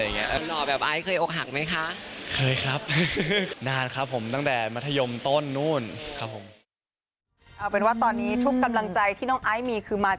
น้องหน่อแบบไอซ์เคยอกหักไหมคะ